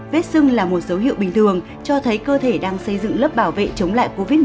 vết sưng là một dấu hiệu bình thường cho thấy cơ thể đang xây dựng lớp bảo vệ chống lại covid một mươi chín